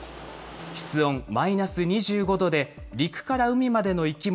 室温マイナス２５度で、陸から海までの生き物